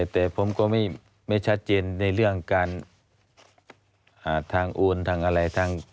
แต่ผมก็ไม่ชัดเจนในเรื่องการทางโอนทางอะไร